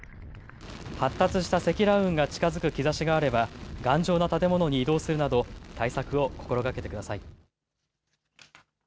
発達した積乱雲が近づく兆しがあれば頑丈な建物に移動するなど対策を心がけてください。